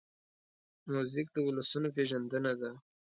موزیک د ولسونو پېژندنه ده.